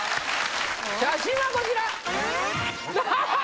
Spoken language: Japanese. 写真はこちら！